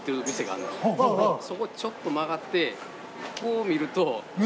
そこちょっと曲がってこう見ると。